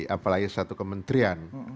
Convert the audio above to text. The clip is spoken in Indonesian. apalagi satu kementerian